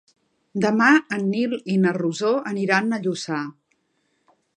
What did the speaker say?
Demà en Nil i na Rosó aniran a Lluçà.